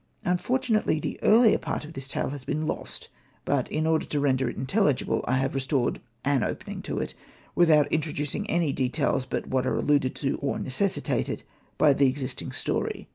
Unfortunately the earlier part of this tale has been lost ; but in order to render it intelligible I have restored an opening to it, without introducing any details but what are alluded to, or necessitated, by the existing story.